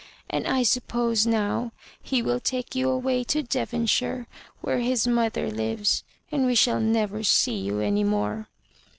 And I suppose now he will take you away to Devonshiro, where his mother liveS) and we shall never see you any more."